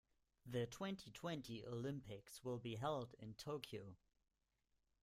The twenty-twenty Olympics will be held in Tokyo.